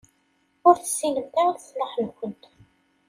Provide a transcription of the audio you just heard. Ur tessinemt ara leṣlaḥ-nkent.